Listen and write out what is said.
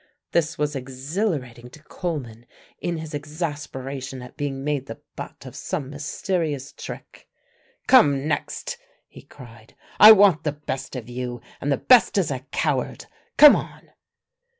This was exhilarating to Coleman in his exasperation at being made the butt of some mysterious trick. "Come next," he cried; "I want the best of you and the best is a coward. Come on!"